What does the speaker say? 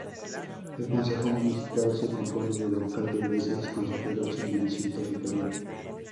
El consejo municipal se compone del alcalde y de seis consejeros sin división territorial.